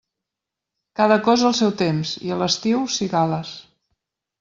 Cada cosa al seu temps, i a l'estiu, cigales.